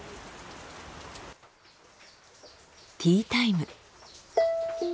ティータイム。